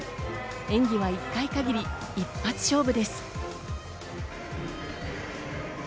演技は１回限り、一発勝負です。